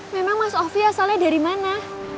memang mas ovi asalnya dari mana